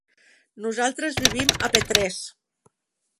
Nosaltres vivim a Petrés.